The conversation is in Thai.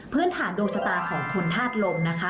พื้นฐานดูชตาของคนธาตุลมนะคะ